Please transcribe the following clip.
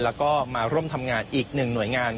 แล้วก็มาร่วมทำงานอีกหนึ่งหน่วยงาน